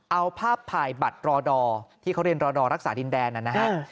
เอาภาพถ่ายบัตรรอดอที่เขาเรียนรอดอรักษาดินแดนนะฮะ